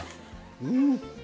うん